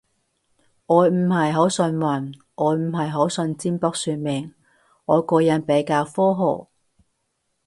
我唔係好信運，我唔係好信占卜算命，我個人比較科學